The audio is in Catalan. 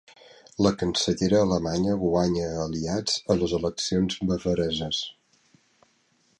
La cancellera alemanya guanya aliats a les eleccions bavareses